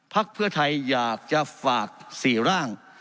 พักเพื่อไทยอยากจะฝาก๔ร่าง